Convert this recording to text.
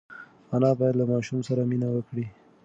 انا باید له ماشوم سره مینه وکړي.